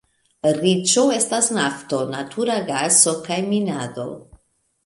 Riĉo estas nafto, natura gaso kaj minado.